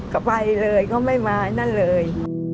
ก็ไปเมื่อกี้นั่นเลย